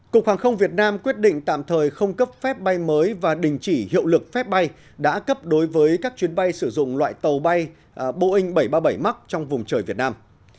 cục hàng không việt nam quyết định tạm thời không cấp phép bay mới và đình chỉ hiệu lực phép bay đã cấp đối với các chuyến bay sử dụng loại tàu bay boeing bảy trăm ba mươi bảy mark trong vùng trời việt nam